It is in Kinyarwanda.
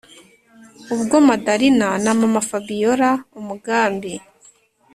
ubwo madalina na mama-fabiora umugambi